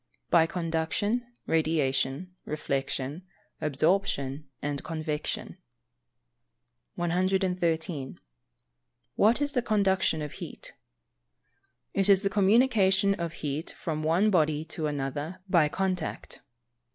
_ By Conduction, Radiation, Reflection, Absorption and Convection. 113. What is the Conduction of heat? It is the communication of heat from one body to another by contact.